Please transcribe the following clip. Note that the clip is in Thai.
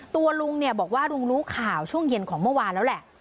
ตัวลุงเนี่ยบอกว่าลุงรู้ข่าวช่วงเย็นของเมื่อวานแล้วแหละ